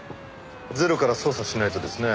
ゼロから捜査しないとですね。